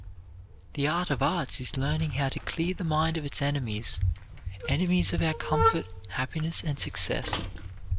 The art of arts is learning how to clear the mind of its enemies enemies of our comfort, happiness, and success.